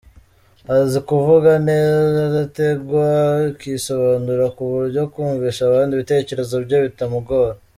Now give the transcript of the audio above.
Azi kuvuga neza adategwa akisobanura ku buryo kumvisha abandi ibitekerezo bye bitamugora.